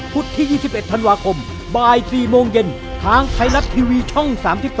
ที่๒๑ธันวาคมบ่าย๔โมงเย็นทางไทยรัฐทีวีช่อง๓๒